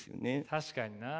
確かにな。